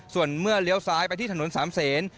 ส่วนเมื่อเลี้ยวซ้ายไปที่ถนนสามเศษ